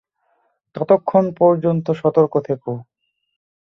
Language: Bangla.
ততক্ষণ পর্যন্ত, সতর্ক থেকো।